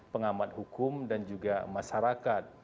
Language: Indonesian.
pengamat hukum dan juga masyarakat